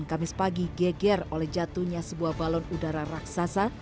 kamis pagi geger oleh jatuhnya sebuah balon udara raksasa